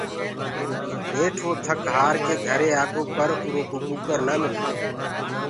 نيٺ وو ٿَڪ هآر ڪي گھري آگو پر اُرو ڪوُ ڪٚڪر نآ ملرو۔